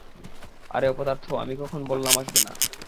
আরে অপদার্থ, আমি কখন বল্লাম আসবেনা।